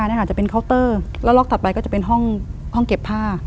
แล้วรอบต่อไปก็จะเป็นห้องเก็บผ้า